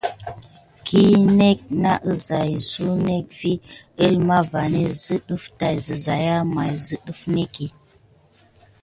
Hine ké na haya zuneki vi əlma vani zə ɗəf zayzay may zə ɗəf nekiy.